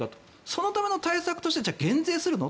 そのための対策として減税するの？